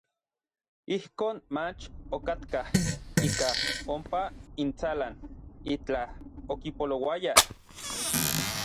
Ijkon mach okatkaj ikaj ompa intsalan itlaj okipolouaya.